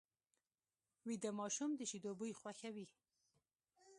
ویده ماشوم د شیدو بوی خوښوي